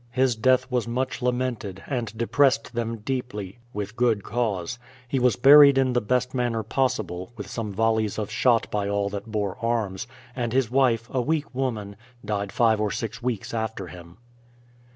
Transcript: His death was much lamented, and depressed them deeply, with good cause. He was buried in the best manner possible, with some volleys of shot by all that bore arms; and his wife, a weak woman, died five or six weeks after him.